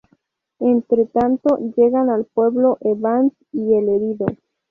Entretanto, llegan al pueblo Evans y el herido.